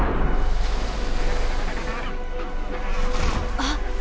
あっ！